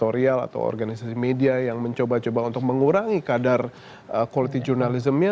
atau organisasi editorial atau organisasi media yang mencoba coba untuk mengurangi kadar quality journalismnya